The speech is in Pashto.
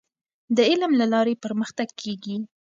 د علم له لارې پرمختګ کیږي.